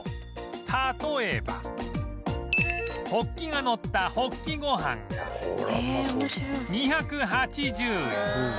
例えばほっきがのったほっきごはんが２８０円